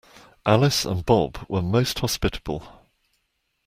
Alice and Bob were most hospitable